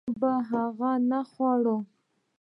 ما به هغه نه خوړ.